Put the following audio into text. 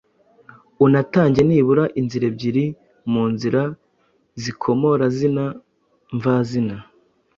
unatange nibura inzira ebyiri mu nzira z’ikomorazina mvazina